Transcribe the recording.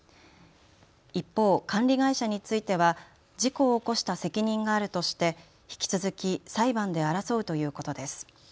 一方、管理会社については事故を起こした責任があるとして引き続き裁判で争うということです。